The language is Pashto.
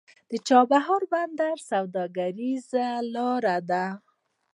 د چابهار بندر سوداګریزه لاره ده